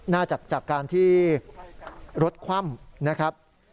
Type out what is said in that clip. น่าจากการที่รดคว่ำ